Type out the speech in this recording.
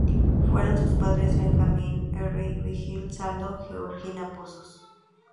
Fueron sus padres Benjamín R. Hill Salido y Gregoria Pozos.